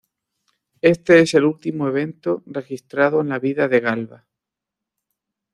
Este es el último evento registrado en la vida de Galba.